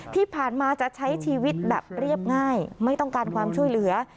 ที่ผ่านมาจะใช้ชีวิตแบบเรียบง่ายไม่ต้องการความช่วยเหลือ